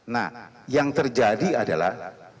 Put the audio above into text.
nah yang terjadi adalah